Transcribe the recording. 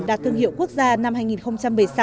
đạt thương hiệu quốc gia năm hai nghìn một mươi sáu